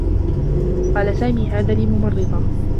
قال سامي هذا لممرّضة.